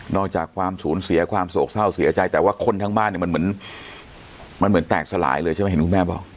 อกจากความสูญเสียความโศกเศร้าเสียใจแต่ว่าคนทั้งบ้านเนี่ยมันเหมือนมันเหมือนแตกสลายเลยใช่ไหมเห็นคุณแม่บอก